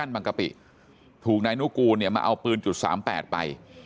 บางกะปิถูกนายนุกูลเนี่ยมาเอาปืนจุด๓๘ไป